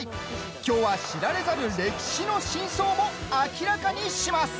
きょうは知られざる歴史の真相も明らかにします。